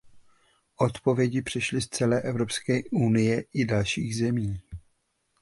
Odpovědi přišly z celé Evropské unie i dalších zemí.